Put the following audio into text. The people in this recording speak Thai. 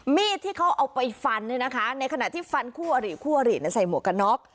มีดที่เขาเอาไปฟันเนี่ยนะคะในขณะที่ฟันคู่อริคู่อริใส่หมวกกันน็อก